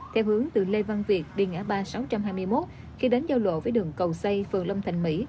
theo hướng từ lê văn việt đi ngã ba sáu trăm hai mươi một khi đến giao lộ với đường cầu xây phường long thành mỹ